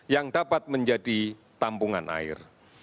yang dapat menjadi tampungan air